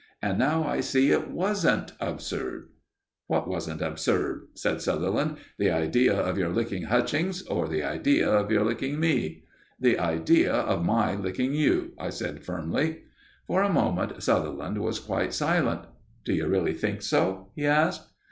And now I see it wasn't absurd." "What wasn't absurd?" asked Sutherland. "The idea of your licking Hutchings, or the idea of your licking me?" "The idea of my licking you," I said firmly. For a moment Sutherland was quite silent. "D'you really think so?" he asked.